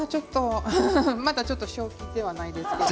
まだちょっと正気ではないですね。